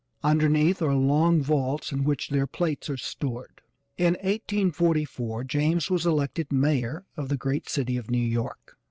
Underneath are long vaults in which their plates are stored. In 1844 James was elected Mayor of the great city of New York.